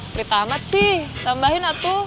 beritahamat sih tambahin atuh